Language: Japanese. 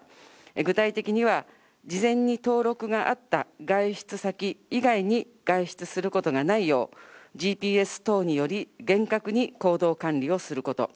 具体的には、事前に登録があった外出先以外に外出することがないよう、ＧＰＳ等により、厳格に行動管理をすること。